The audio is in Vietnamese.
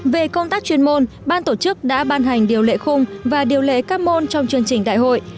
về công tác chuyên môn ban tổ chức đã ban hành điều lệ khung và điều lệ các môn trong chương trình đại hội